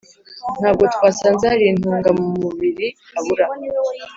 Ntabwo twasanze hari intunga mubiri abura